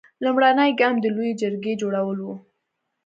لومړنی ګام د لویې جرګې جوړول و.